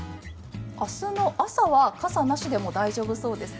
明日の朝は傘なしでも大丈夫そうですか？